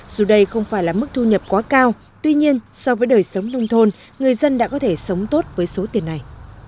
dù đây không phải là mức thu nhập quá cao tuy nhiên so với đời sống nông thôn người dân đã có thể sống tốt với số tiền này